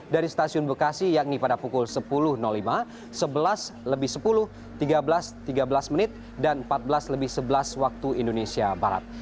dari stasiun bekasi yakni pada pukul sepuluh lima sebelas lebih sepuluh tiga belas tiga belas menit dan empat belas lebih sebelas waktu indonesia barat